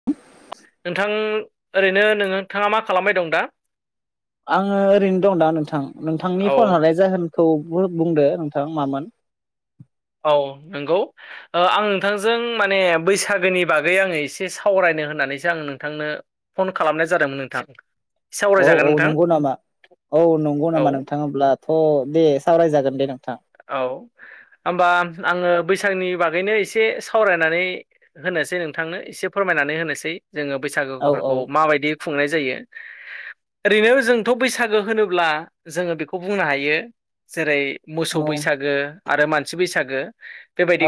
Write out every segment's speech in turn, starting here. [inaudible] नोंथां ओरैनो नोङोथाङा मा खालामबाय दं दा? आङो ओरैनो दं दा नोंथां। नोंथांनि फन औ हरनाय जाहोनखौबो बुंदो नोंथां मा मोन? औ नंगौ। ओ आं नोंथांजों माने बैसागोनि बागै आङो एसे सावरायनो होननानैसो आं नोंथांनो फन खालामनाय जादोंमोन नोंथां। औ सावरायजागोन औ नोंथां नंगौ नामा? औ नंगौ औ नामा नोंथां? अम्ब्लाथ' दे सावरायजागोन दे नोंथां। औ ओमबा आङो बैसागोनि बागैनो एसे सावरायनानै होनोसै नोंथांनो एसे फोरमायनानै होनोसै जोङो औ औ बैसागोफोरखौ माबायदि खुंनाय जायो। ओरैनो जोंथ' बैसागो होनोब्ला जोङो बेखौ बुंनो हायो। जेरै मो औ बैसागो आरो मानसि बैसागो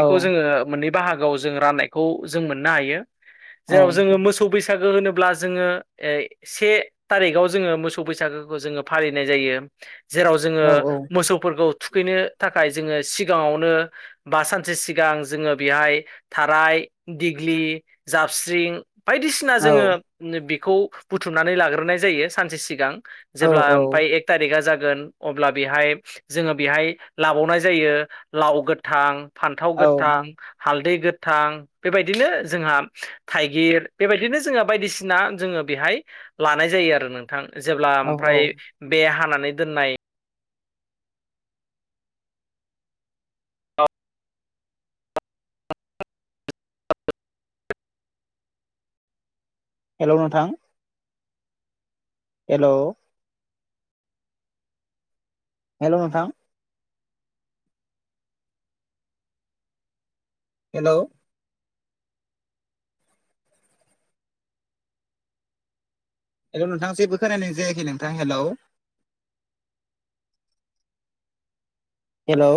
औ जोङो निब बाहागोआव जों राननायखौ जों मोननो हायो औ जेराव जोङो मोसौ बैसागो होनोब्ला जोङो ए से थारिखाव जोङो मोसौ बैसागोखौ जोङो फालिनाय जायो जेराव जोङो औ मोसौफोरखौ थुखैनो थाखाय जोङो सिगाङावनो बा सानसे सिगां जोङो बेहाय थाराय दिग्लि जाबस्रिं बायदिसिना औ जोङो बेखौ बुथुमनानै लाग्रोनाय जायो सानसे सिगां जेब्ला औ ओमफाय एक थारिकआ जागोन अब्ला बेहाय जोङो बेहाय लाबावनाय जायो लाव गोथां फान्थाव औ गोथां हालदै गोथां बेबायदिनो जोंहा थाइगिर बेबायदिनो जोङो बायदिसिना जोङो बेहाय लानाय जायो आरो नोंथां जेब्ला औ औ ओमफ्राय बे हानानै दोननाय हेलौ नोंथां हेलौ हेल' नोंथां हेल' हेल' नोंथां जेबो खोनायनाय जायाखै नोंथां हेलौ हेलौ